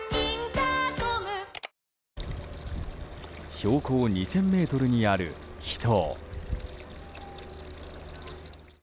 標高２０００ｍにある秘湯。